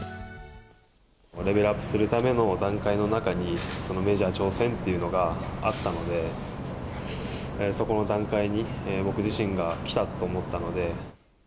レベルアップするための段階の中に、メジャー挑戦というのがあったので、そこの段階に、僕自身が来たと思ったので。